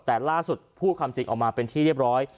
แต่ล่าสุดพูดความจริงออกมาเป็นที่เรียบร้อย